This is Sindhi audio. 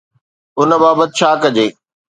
ان بابت ڇا ڪجي؟